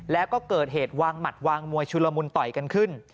แล้วก็เกิดเหตุวางหมัดวางมวยชุลมุนต่อยกันขึ้น